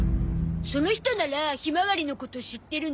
その人ならひまわりのこと知ってるの？